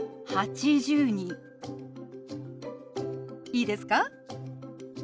いいですか？